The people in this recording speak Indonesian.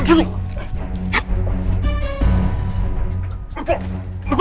jangan kasih gap